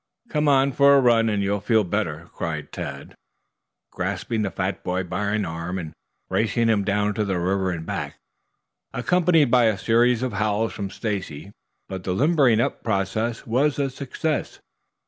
"Come on for a run and you will feel better" cried Tad, grasping the fat boy by an arm and racing him down to the river and back, accompanied by a series of howls from Stacy. But the limbering up process was a success.